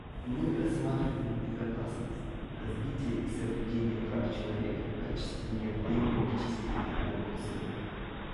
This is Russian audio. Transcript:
Мы рассматриваем безопасность, развитие и соблюдение прав человека в качестве неотъемлемых частей одного целого.